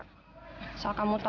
juga membantu masyarakat sekitar